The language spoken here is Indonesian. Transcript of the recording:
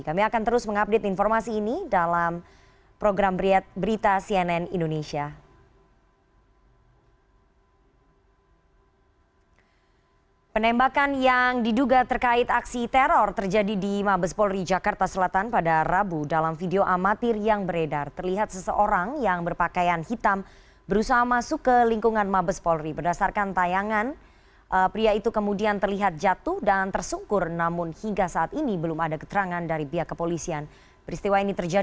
kami akan terus mengupdate informasi ini dalam program berita cnn indonesia